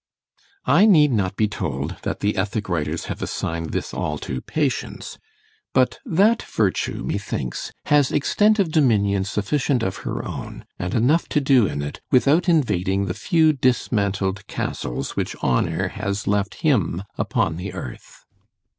I need not be told, that the ethic writers have assigned this all to Patience; but that VIRTUE, methinks, has extent of dominion sufficient of her own, and enough to do in it, without invading the few dismantled castles which HONOUR has left him upon the earth.